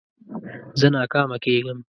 زه ناکامه کېږم.